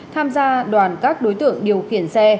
tham gia đoàn các đối tượng điều khiển xe